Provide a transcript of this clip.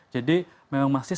jadi memang masih